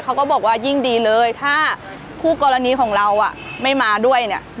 เขาก็บอกว่ายิ่งดีเลยถ้าคู่กรณีของเราอ่ะไม่มาด้วยเนี่ย